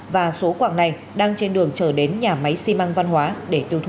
và số quảng này đang trên đường chờ đến nhà máy xi măng văn hóa để tiêu thụ